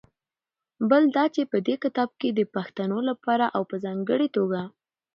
بل دا چې په دې کتاب کې د پښتنو لپاره او په ځانګړې توګه